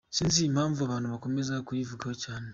Sinzi impavu abantu bakomeje kuyivugaho cyane.